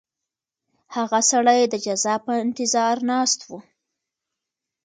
هغه سړی د جزا په انتظار ناست و.